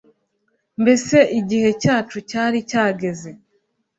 mbese igihe cyacu cyari cyageze.